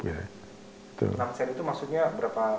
enam sen itu maksudnya berapa